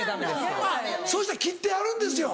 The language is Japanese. そしたら切ってあるんですよ。